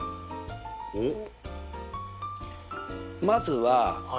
おっ。